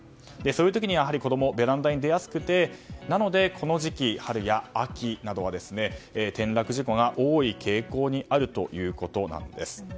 そういう時に子供はやはりベランダに出やすくてなので、春や秋などの時期は転落事故が多い傾向にあるということなんです。